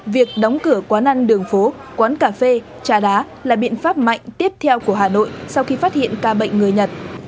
việc đóng cửa quán ăn đường phố quán cà phê trà đá là biện pháp mạnh tiếp theo của hà nội sau khi phát hiện ca bệnh người nhật